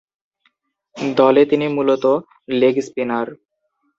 দলে তিনি মূলতঃ লেগ-স্পিনার।